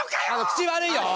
口悪いよ！